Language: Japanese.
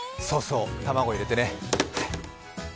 そうそう、卵入れてね。